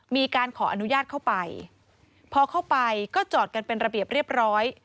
มีการขออนุญาตเข้าไปพอเข้าไปก็จอดกันเป็นระเบียบเรียบร้อย